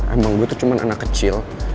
emang gue tuh cuma anak kecil